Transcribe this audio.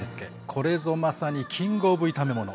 これぞまさにキングオブ炒め物！